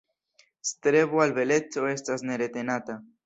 Strebo al beleco estas neretenata.